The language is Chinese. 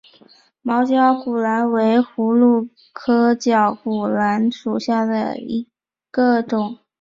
毛绞股蓝为葫芦科绞股蓝属下的一个种。